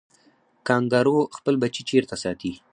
کانګارو خپل بچی چیرته ساتي؟